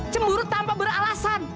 cemburu tanpa beralasan